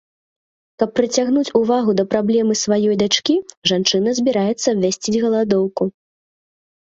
Каб прыцягнуць увагу да праблемы сваёй дачкі, жанчына збіраецца абвясціць галадоўку.